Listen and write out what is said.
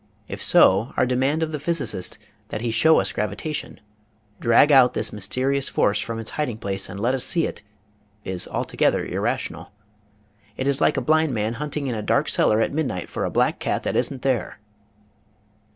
If so, our de mand of the physicist that he show us gravitation, — drag out this mysterious force from its hiding place and let us see it — is altogether irrational. It is like a blind man hunting in a dark cellar at midnight for a black cat that isn't there.